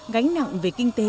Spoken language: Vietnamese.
gánh nặng về kinh tế